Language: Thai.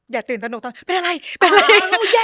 อย่าตื่นตนกตอนเป็นอะไรเป็นอะไร